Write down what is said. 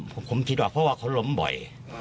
ผมคิดว่าเพราะว่าเขาล้มบ่อย